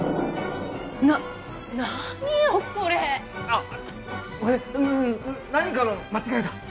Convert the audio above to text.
あっ何かの間違いだ！